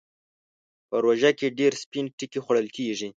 په روژه کې ډېر سپين ټکی خوړل کېږي.